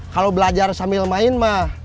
kalau belajar sambil main mah